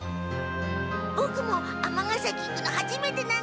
ボクも尼崎行くのはじめてなんだ。